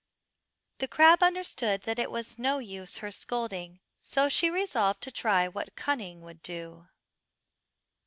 The crab understood that it was no use her scolding, so she resolved to try what cunning would do.